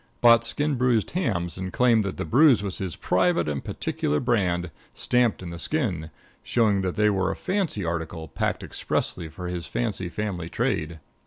Bought skin bruised hams and claimed that the bruise was his private and particular brand, stamped in the skin, showing that they were a fancy article, packed expressly for his fancy family trade.